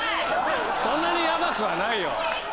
そんなにヤバくはないよ。